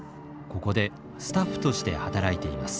ここでスタッフとして働いています。